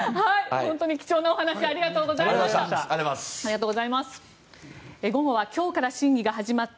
本当に貴重なお話ありがとうございました。